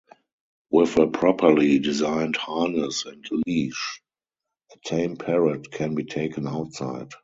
With a properly designed harness and leash, a tame parrot can be taken outside.